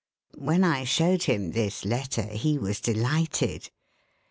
When I showed him this letter he was delighted.